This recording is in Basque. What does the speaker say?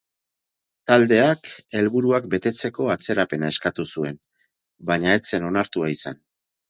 Taldeak helburuak betetzeko atzerapena eskatu zuen, baina ez zen onartua izan.